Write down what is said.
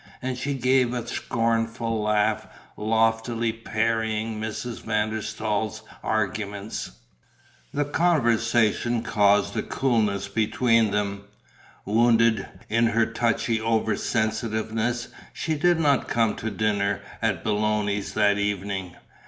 And she gave a scornful laugh, loftily parrying Mrs. van der Staal's arguments. The conversation caused a coolness between them. Wounded in her touchy over sensitiveness, she did not come to dinner at Belloni's that evening.